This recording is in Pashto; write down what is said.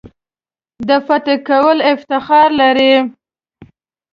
د فتح کولو افتخار لري.